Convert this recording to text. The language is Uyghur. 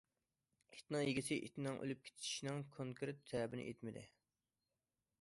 ئىتنىڭ ئىگىسى ئىتىنىڭ ئۆلۈپ كېتىشىنىڭ كونكرېت سەۋەبىنى ئېيتمىدى.